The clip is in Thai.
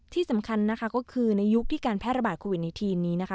ที่สำคัญนะคะก็คือในยุคที่การแพร่ระบาดโควิดในทีนนี้นะคะ